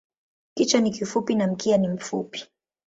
Kichwa ni kifupi na mkia ni mfupi.